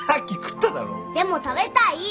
でも食べたい。